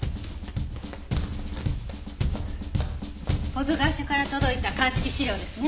保津川署から届いた鑑識資料ですね。